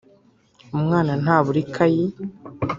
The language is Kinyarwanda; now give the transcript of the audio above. umwana ntabura ikayi